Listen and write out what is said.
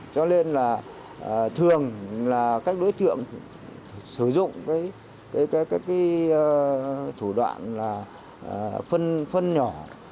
cho nên là thường là các đối tượng sử dụng các thủ đoạn là phân nhỏ